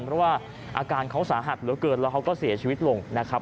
เพราะว่าอาการเขาสาหัสเหลือเกินแล้วเขาก็เสียชีวิตลงนะครับ